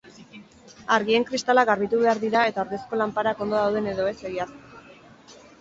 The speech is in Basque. Argien kristalak garbitu behar dira eta ordezko lanparak ondo dauden edo ez egiaztatu.